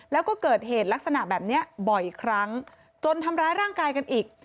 แล้วก็เกิดเหตุลักษณะแบบนี้บ่อยครั้งจนทำร้ายร่างกายกันอีก